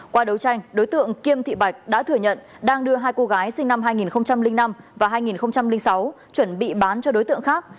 qua đấu tranh đối tượng kim thị bạch đã thừa nhận đang đưa hai cô gái sinh năm hai nghìn năm và hai nghìn sáu chuẩn bị bán cho đối tượng khác